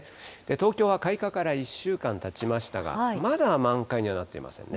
東京は開花から１週間たちましたが、まだ満開にはなっていませんね。